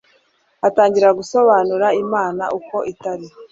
Atangira gusobanura Imana uko itari,